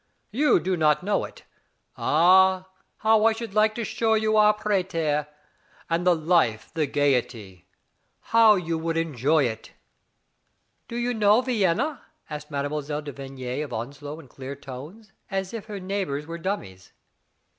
You do not know it. Ah, how I should like to show you our Prater. And the life, the gayety. How you . would enjoy it !" "Do you know Vienna?" asked Mme. de Vigny of Onslow in clear tones, as if her neigh bors were dummies.